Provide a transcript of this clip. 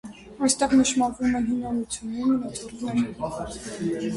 Այստեղ նշմարվում են հին ամրությունների մնացորդներ։